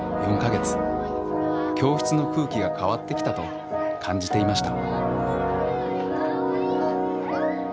教室の空気が変わってきたと感じていました。